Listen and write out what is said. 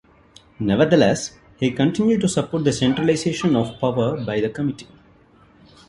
Nevertheless, he continued to support the centralization of power by the Committee.